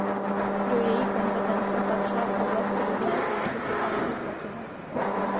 Do její kompetence patřila oblast rodinné politiky a legislativa.